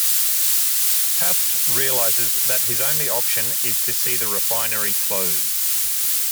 Taft realizes that his only option is to see the refinery closed.